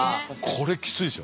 これきついですよ。